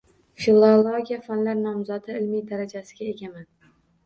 Filologiya fanlari nomzodi ilmiy darajasiga egaman